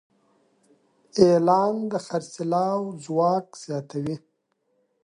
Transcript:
اعلان د خرڅلاو ځواک زیاتوي.